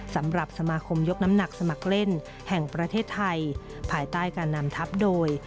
สำหรับสมาคมยกน้ำหนักสมัครเล่นแห่งประเทศไทยภายใต้การนำทัพโดย